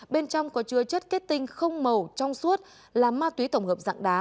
bên trong có chứa chất kết tinh không màu trong suốt là ma túy tổng hợp dạng đá